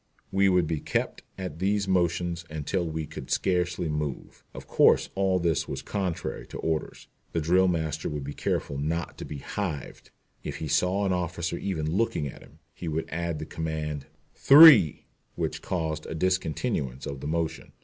We would be kept at these motions until we could scarcely move. Of course all this was contrary to orders. The drill master would be careful not to be "hived." If he saw an officer even looking at him, he would add the command "three," which caused a discontinuance of the motion.